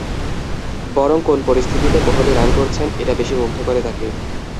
বরং কোন পরিস্থিতিতে কোহলি রান করছেন, এটা বেশি মুগ্ধ করে তাঁকে।